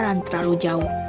tapi dia juga terlalu jauh